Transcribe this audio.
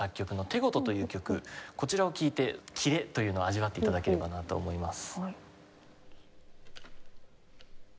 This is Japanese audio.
こちらを聴いてキレというのを味わって頂ければなと思います。